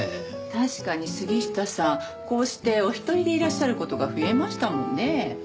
確かに杉下さんこうしてお一人でいらっしゃる事が増えましたもんね。